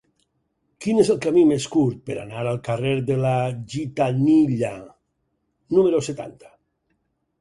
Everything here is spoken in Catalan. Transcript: Quin és el camí més curt per anar al carrer de la Gitanilla número setanta?